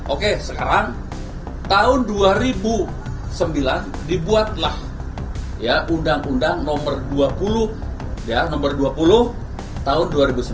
oke sekarang tahun dua ribu sembilan dibuatlah undang undang nomor dua puluh tahun dua ribu sembilan